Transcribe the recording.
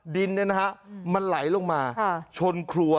ดินมันไหลลงมาชนครัว